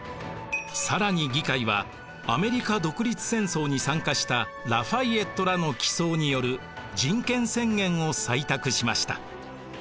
更に議会はアメリカ独立戦争に参加したラ・ファイエットらの起草による人権宣言を採択しました。